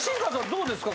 どうですか？